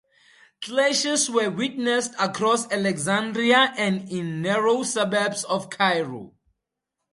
Clashes were witnessed across Alexandria and in narrow suburbs of Cairo.